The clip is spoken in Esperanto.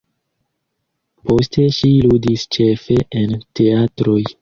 Poste ŝi ludis ĉefe en teatroj.